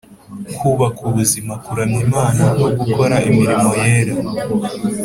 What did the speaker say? kubaka ubuzima, kuramya Imana, no gukora imirimo yera.